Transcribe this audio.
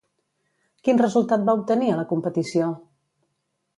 Quin resultat va obtenir a la competició?